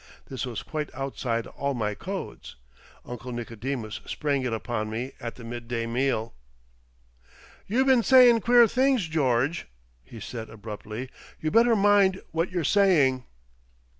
This was quite outside all my codes. Uncle Nicodemus sprang it upon me at the midday meal. "You been sayin' queer things, George," he said abruptly. "You better mind what you're saying."